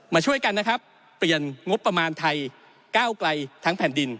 ช่วยกันนะครับเปลี่ยนงบประมาณไทยก้าวไกลทั้งแผ่นดิน